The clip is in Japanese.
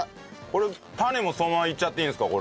これ種もそのままいっちゃっていいんですか？